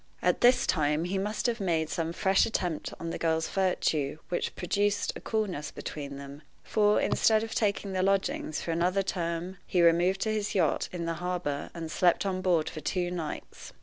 At this time he must have made some fresh attempt on the girl's virtue, which produced: a coolness between them; for, instead of taking the lodgings for another term, he removed to his yacht, in the harbor, and slept on board for two nights.